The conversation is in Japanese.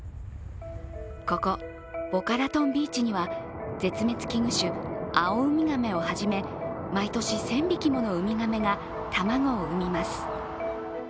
ここボカラトンビーチには絶滅危惧種、アオウミガメを初め毎年１０００匹ものウミガメが卵を産みます。